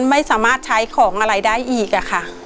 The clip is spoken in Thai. ไม่สามารถใช้ของอะไรได้อีกค่ะ